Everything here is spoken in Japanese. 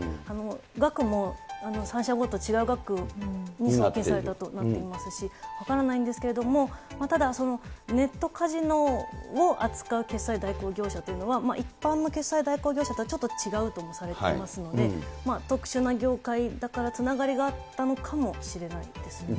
額も３社ごと、違う額に送金されたとなっていますし、分からないんですけれども、ただ、ネットカジノを扱う決済代行業者というのは、一般向け代行業者とちょっと違うともされていますので、特殊な業界だからつながりがあったのかもしれないですね。